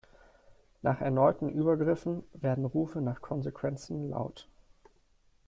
Nach erneuten Übergriffen werden Rufe nach Konsequenzen laut.